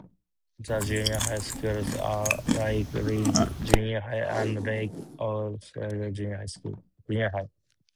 The junior high schools are Lakeridge Junior High and Lake Oswego Junior High.